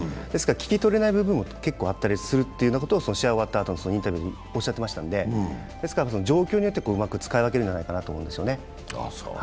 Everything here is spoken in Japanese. ですから、聞き取れない部分も結構あったりするというのは、試合が終わったあとにインタビューでおっしゃってましたんで状況によってうまく使い分けるんじゃないかなと思うんですよね。